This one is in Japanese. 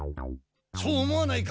そう思わないか？